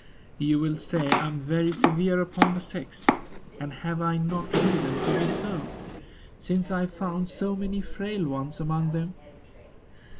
You will say I am very severe upon the sex; and have I not reason to be so, since I have found so many frail ones among them?